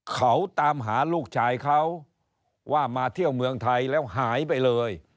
เขาตามหาลูกชายเขาว่ามาเที่ยวเมืองไทยแล้วหายไปเลย